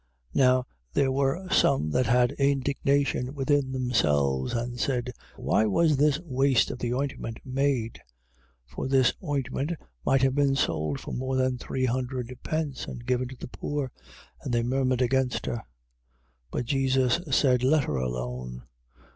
14:4. Now there were some that had indignation within themselves and said: Why was this waste of the ointment made? 14:5. For this ointment might have been sold for more than three hundred pence and given to the poor. And they murmured against her. 14:6. But Jesus said: Let her alone.